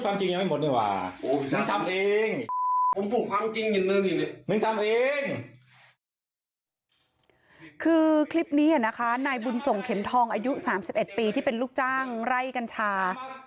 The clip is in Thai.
นี่คือคลิปนี่คณะค้านายบุญทรงเข็มทองอายุสามสิบเอ็ดปีที่เป็นลูกจ้างไร่กัญชา